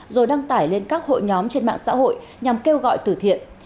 rồi đăng tải lên các hội nhóm trên mạng xã hội nhằm kêu gọi tử thiện